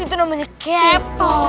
itu namanya kepo